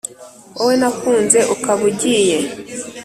wowe nakunze ukaba ugiye,